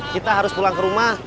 kita harus pulang ke rumah